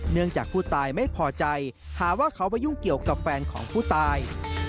เนื่องจากผู้ตายไม่พอใจหาว่าเขามายุ่งเกี่ยวกับแฟนของผู้ตาย